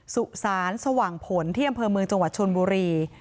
สุสานสว่างผลที่อำเภอเมืองจังหวัดชนบุรี